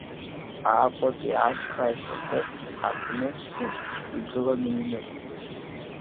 Аҟәатәи ашьха ашьапы аҟныҵәҟьа игылан иҩны.